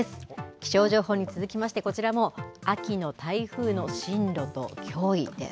気象情報に続きまして、こちらも秋の台風の進路と脅威です。